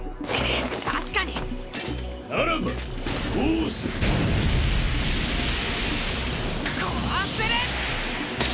確かにならばどうするこうする！